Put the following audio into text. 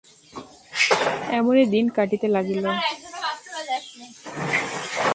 এমনি দিন কাটিতে লাগিল।